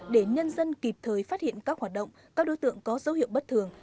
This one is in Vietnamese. để nhân dân kịp thời phát hiện các hoạt động các đối tượng có dấu hiệu bất thường